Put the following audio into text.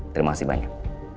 terima kasih banyak